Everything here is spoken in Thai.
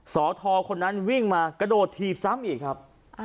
สทคนนั้นวิ่งมากระโดดถีบซ้ำอีกครับ